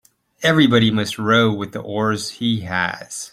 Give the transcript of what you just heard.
Everybody must row with the oars he has.